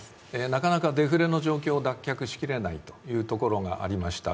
なかなかデフレの状況を脱却しきれないというところがありました。